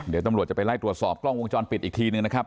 เดี๋ยวตำรวจจะไปไล่ตรวจสอบกล้องวงจรปิดอีกทีนึงนะครับ